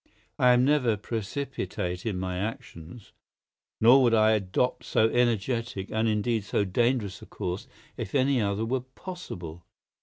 I am never precipitate in my actions, nor would I adopt so energetic and indeed so dangerous a course if any other were possible.